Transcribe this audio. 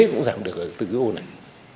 cũng giảm được ở từ cái ô này